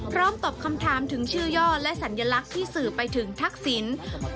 ตอบคำถามถึงชื่อย่อและสัญลักษณ์ที่สื่อไปถึงทักษิณ